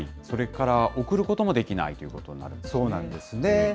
それから送ることもできないといそうなんですね。